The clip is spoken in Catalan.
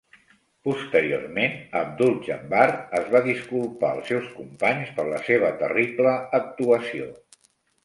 Posteriorment, Abdul-Jabbar es va disculpar als seus companys per la seva terrible actuació.